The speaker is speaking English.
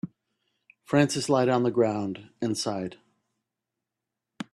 Francis lied on the ground and sighed.